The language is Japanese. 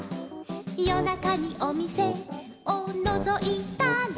「よなかにおみせをのぞいたら」